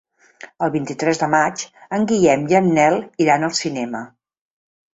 El vint-i-tres de maig en Guillem i en Nel iran al cinema.